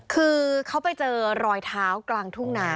คือเขาไปเจอรอยเท้ากลางทุ่งนา